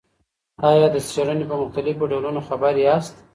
آیا د څېړني په مختلفو ډولونو خبر یاست؟